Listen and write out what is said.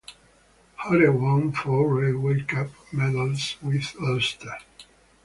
Hoare won four Railway Cup medals with Ulster.